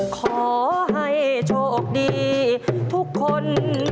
ขอให้โชคดีทุกคน